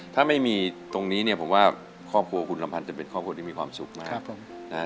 ถ้าไม่มีตรงนี้เนี่ยผมว่าครอบครัวคุณลำพันธ์จะเป็นครอบครัวที่มีความสุขมาก